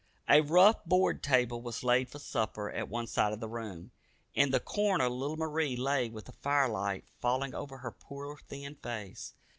A rough board table was laid for supper at one side of the room. In the corner little Marie lay with the firelight falling over her poor thin face.